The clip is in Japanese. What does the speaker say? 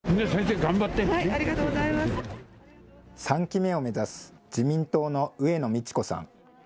３期目を目指す自民党の上野通子さん。